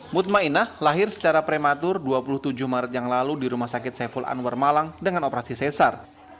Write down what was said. mutmainah lahir secara prematur dua puluh tujuh maret yang lalu di rumah sakit saiful anwar malang dengan operasi sesar